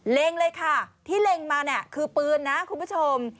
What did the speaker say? เล็งเลยค่ะที่เล็งมาเนี่ยคือปืนนะคุณผู้ชม